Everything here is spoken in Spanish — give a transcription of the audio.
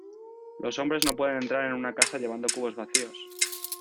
Los hombres no pueden entrar en una casa llevando cubos vacíos.